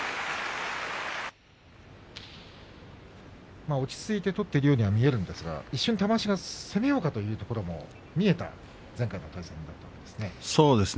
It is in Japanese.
まあ落ち着いて取っているようには見えるんですが、一瞬玉鷲が攻めようかというところも見えた前回の対戦でした。